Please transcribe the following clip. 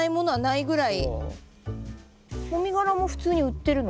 もみ殻も普通に売ってるの？